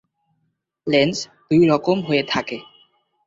Lens দুই রকম হয়ে থাকে।